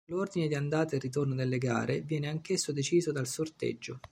L'ordine di andata e ritorno delle gare viene anch'esso deciso dal sorteggio.